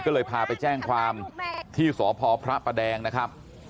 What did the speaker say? ก็เลยพาไปแจ้งความที่สพพระประแดงนะครับ